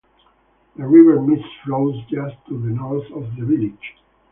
The River Meese flows just to the north of the village.